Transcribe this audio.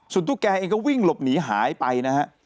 ตุ๊กแกเองก็วิ่งหลบหนีหายไปนะฮะ